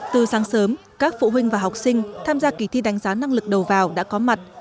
từ sáng sớm các phụ huynh và học sinh tham gia kỳ thi đánh giá năng lực đầu vào đã có mặt